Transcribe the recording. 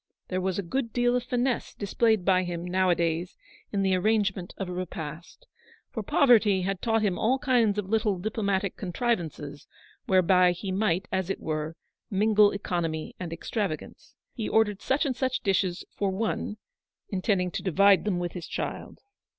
There was a good deal of finesse displayed by him now a days in the arrangement of a repast ; for poverty had taught him all kinds of little diplomatic con trivances whereby he might, as it were, mingle economy and extravagance. He ordered such and such dishes " for one," intending to divide them with his child.